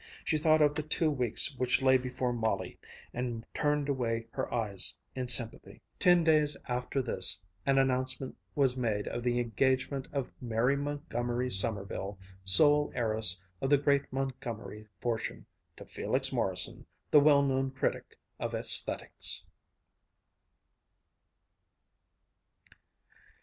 She thought of the two weeks which lay before Molly, and turned away her eyes in sympathy.... Ten days after this, an announcement was made of the engagement of Mary Montgomery Sommerville, sole heiress of the great Montgomery fortune, to Felix Morrison, the well known critic of aesthetics.